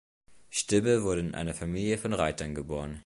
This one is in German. Stibbe wurde in eine Familie von Reitern geboren.